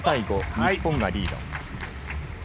日本がリード。